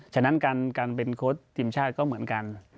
ฉะนั้นการเป็นโค้ชทีมชาติก็เหมือนกัน